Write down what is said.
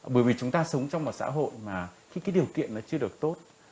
bởi vì chúng ta sống trong một xã hội mà cái điều kiện nó chưa được tốt